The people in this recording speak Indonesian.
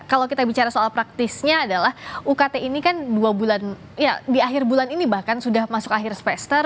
kalau kita bicara soal praktisnya adalah ukt ini kan dua bulan ya di akhir bulan ini bahkan sudah masuk akhir semester